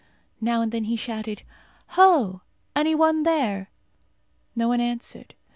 Now and then he shouted, "Ho! Any one there?" No one answered.